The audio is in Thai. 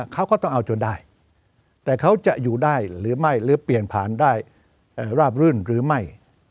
เขาก็ต้องเอาจนได้แต่เขาจะอยู่ได้หรือไม่หรือเปลี่ยนผ่านได้ราบรื่นหรือไม่